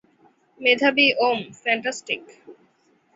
মেধাবি ওম, ফ্যান্টাস্টিক।